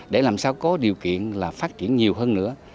để làm sao có điều kiện là phát triển nhiều hơn nữa